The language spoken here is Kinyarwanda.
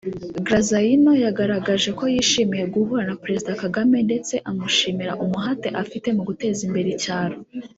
Graziano yagaragaje ko yishimiye guhura na Perezida Kagame ndetse amushimira umuhate afite mu guteza imbere icyaro